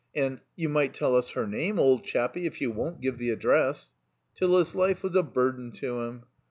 And "You might tell us her name, old chappie, if you won't give the address." Till his life was a burden to him.